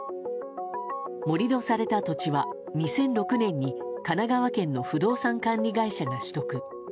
盛り土された土地は２００６年に神奈川県の不動産管理会社が取得。